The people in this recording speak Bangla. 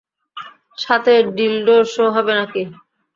সাথে ডিলডো শো হবে নাকি?